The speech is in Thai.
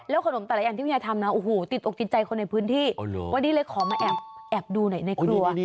ขนมแต่ละอย่างที่คุณยายทำนะโอ้โหติดอกติดใจคนในพื้นที่วันนี้เลยขอมาแอบดูหน่อยในครัว